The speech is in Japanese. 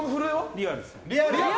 リアルです。